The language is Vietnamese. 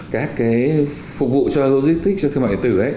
các phục vụ cho logistics cho thương mại điện tử